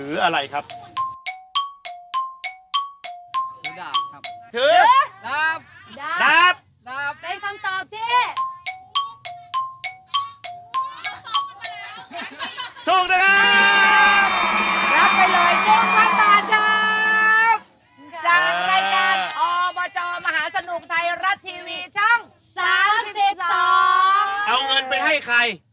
เอาเงินไปให้ใคร